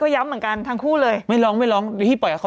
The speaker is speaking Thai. ใช่เค้าคนเดียวกัน